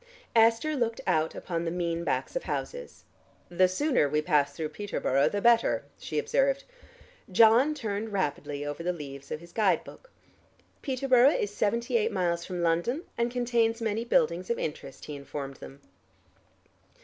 Esther looked out upon the mean backs of houses. "The sooner we pass through Peterborough the better," she observed. John turned rapidly over the leaves of his guide book. "Peterborough is seventy eight miles from London, and contains many buildings of interest," he informed them.